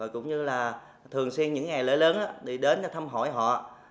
cũng như là thường xuyên những ngày lễ lớn để đến thăm hỏi họ